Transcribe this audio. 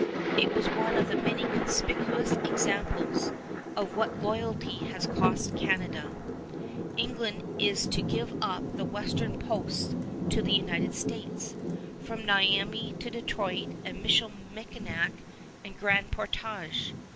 It is one of the many conspicuous examples of what loyalty has cost Canada. England is to give up the western posts to the United States, from Miami to Detroit and Michilimackinac and Grand Portage.